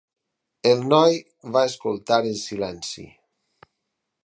El noi va escoltar en silenci.